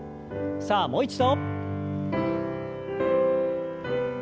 さあもう一度。